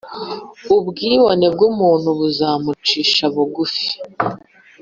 ubwibone bw’umuntu buzamucisha bugufi,